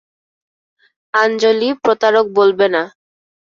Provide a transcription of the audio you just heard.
আঞ্জলি প্রতারক বলবে না।